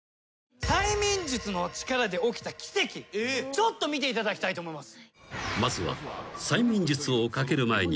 ちょっと見ていただきたいと思います。